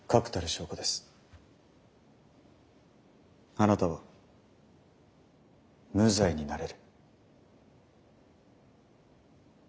あなたは無罪になれる。